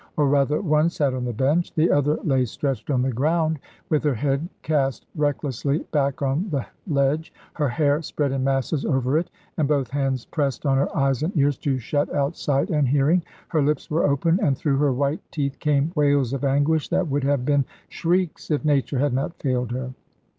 Or rather, one sate on the bench; the other lay stretched on the ground, with her head cast recklessly back on the ledge, her hair spread in masses over it, and both hands pressed on her eyes and ears, to shut out sight and hearing. Her lips were open, and through her white teeth came wails of anguish, that would have been shrieks, if nature had not failed her.